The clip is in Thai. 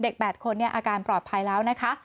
๘คนอาการปลอดภัยแล้วนะคะ